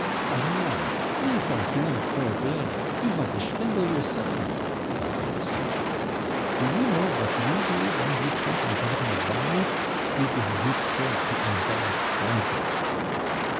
"Aha! thees eies not fair blay, you vant to shvindle your son!" cried the Alsacien. "Do you kow vot you do ven you trink ein pottle of vine? You gif goot trink to ein bad scountrel."